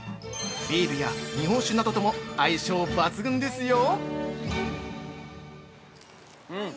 ビールや日本酒などとも相性抜群ですよ！